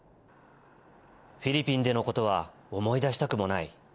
フィリピンでのことは思い出したくもない。